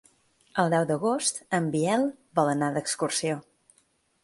El deu d'agost en Biel vol anar d'excursió.